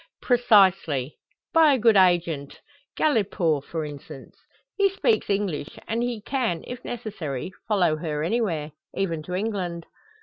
"Precisely. By a good agent. Galipaud, for instance. He speaks English, and he can, if necessary, follow her anywhere, even to England."